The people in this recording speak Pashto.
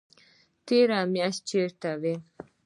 تېره میاشت چیرته وئ؟